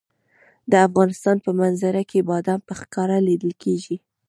د افغانستان په منظره کې بادام په ښکاره لیدل کېږي.